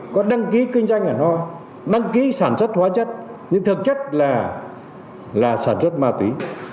có đăng ký kinh doanh ở nó đăng ký sản xuất hóa chất nhưng thực chất là sản xuất ma túy